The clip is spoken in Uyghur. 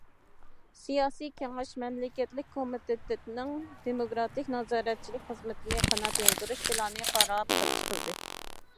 سىياسىي كېڭەش مەملىكەتلىك كومىتېتىنىڭ دېموكراتىك نازارەتچىلىك خىزمىتىنى قانات يايدۇرۇش پىلانى قاراپ چىقىلدى.